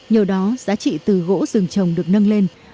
nhờ đó giá trị từ gỗ rừng trồng được nâng lên